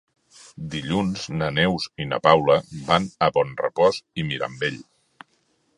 Dilluns na Neus i na Paula van a Bonrepòs i Mirambell.